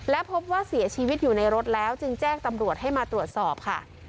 และพบว่าเสียชีวิตอยู่ในรถแล้วจึงแจ้งตำรวจให้มาตรวจสอบค่ะ